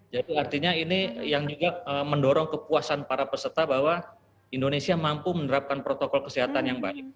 jadi artinya ini yang juga mendorong kepuasan para peserta bahwa indonesia mampu menerapkan protokol kesehatan yang baik